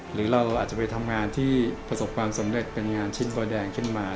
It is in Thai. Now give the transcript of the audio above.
หรือเราอาจจะไปทำงานที่ประสบความสำเร็จเป็นงานชิ้นบอยแดงขึ้นมา